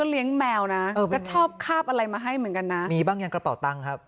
เลี้ยงแมวนะเออก็ชอบคาบอะไรมาให้เหมือนกันนะมีบ้างยังกระเป๋าตังค์ครับ